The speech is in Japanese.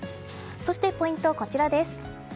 そしてポイントはこちらです。